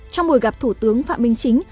trong buổi gặp thủ tướng phạm minh chính